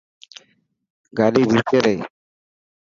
گاڏي ڀيچي رهي.